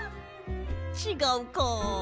ちがうか。